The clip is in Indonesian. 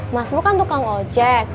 mas mu kan tukang ojek